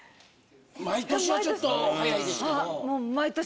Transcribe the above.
毎年はちょっと早いですけど。